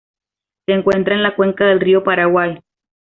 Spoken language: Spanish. Se encuentra en la cuenca del río Paraguay.